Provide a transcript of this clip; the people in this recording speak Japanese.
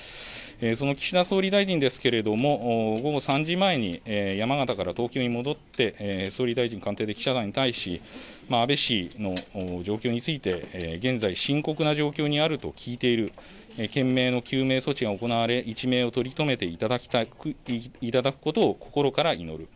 その岸田総理大臣ですけれども、午後３時前に山形から東京に戻って総理大臣官邸で記者団に対し、安倍氏の状況について、現在、深刻な状況にあると聞いている、懸命の救命措置が行われ、一命を取り留めていただくことを心から祈る。